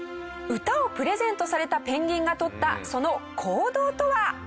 歌をプレゼントされたペンギンがとったその行動とは？